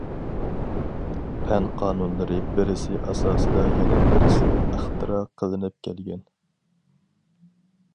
پەن قانۇنلىرى بىرسى ئاساسىدا يەنە بىرسى ئىختىرا قىلىنىپ كەلگەن.